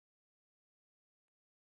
دوی به تر هغه وخته پورې په تخته لیکل کوي.